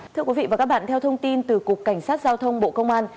thưa quý vị và các bạn theo thông tin từ cục cảnh sát giao thông bộ công an